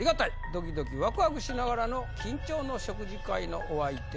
ドキドキワクワクしながらの緊張の食事会のお相手は」。